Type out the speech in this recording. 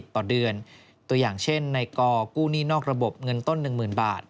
ต่อเดือนตัวอย่างเช่นในกอกู้หนี้นอกระบบเงินต้น๑๐๐๐บาท